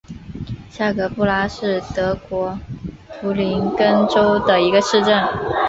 下格布拉是德国图林根州的一个市镇。